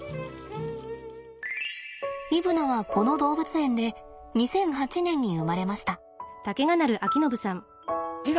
イブナはこの動物園で２００８年に生まれました。